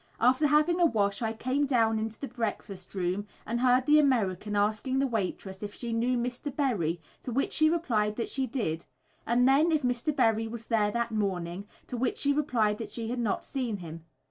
After having a wash I came down into the breakfast room and heard the American asking the waitress if she knew Mr. Berry, to which she replied that she did; and then if Mr. Berry was there that morning, to which she replied that she had not seen him.